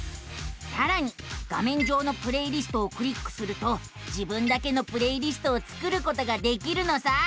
さらに画めん上の「プレイリスト」をクリックすると自分だけのプレイリストを作ることができるのさあ。